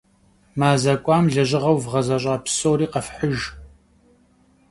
Maze k'uam lejığeu vğezeş'a psori khefhıjj.